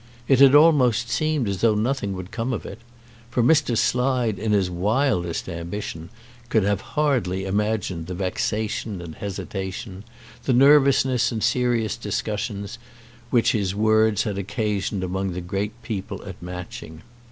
It had almost seemed as though nothing would come of it; for Mr. Slide in his wildest ambition could have hardly imagined the vexation and hesitation, the nervousness and serious discussions which his words had occasioned among the great people at Matching.